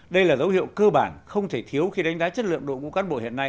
đây là dấu hiệu cơ bản không thể thiếu khi đánh giá chất lượng đội ngũ cán bộ hiện nay